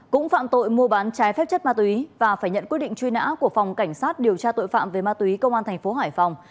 cũng phạm tội mua bán trái phép chất ma túy và phải nhận quyết định truy nã của phòng cảnh sát điều tra tội phạm về ma túy công an thành phố hải phòng